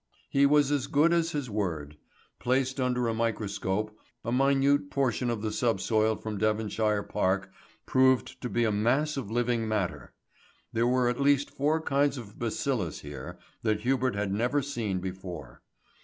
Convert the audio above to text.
He was as good as his word. Placed under a microscope, a minute portion of the subsoil from Devonshire Park proved to be a mass of living matter. There were at least four kinds of bacillus here that Hubert had never seen before.